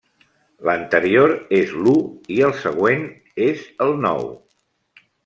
L'anterior és l'u i el següent és el nou.